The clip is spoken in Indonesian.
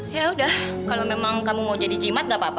ya udah kalau memang kamu mau jadi jimat gak apa apa